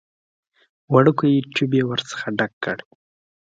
وړوکی ټيوب يې ورڅخه ډک کړ.